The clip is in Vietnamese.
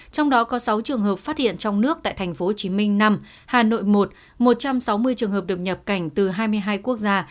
trong đó có sáu trường hợp phát hiện trong nước tại tp hcm năm hà nội một một trăm sáu mươi trường hợp được nhập cảnh từ hai mươi hai quốc gia